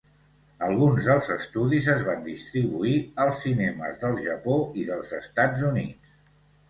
Alguns dels estudis es van distribuir als cinemes del Japó i dels Estats Units.